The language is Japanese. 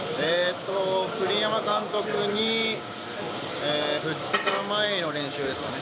栗山監督に２日前の練習ですかね。